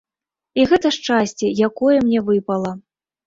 І гэта шчасце, якое мне выпала.